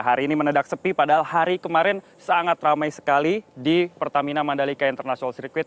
hari ini menedak sepi padahal hari kemarin sangat ramai sekali di pertamina mandalika international circuit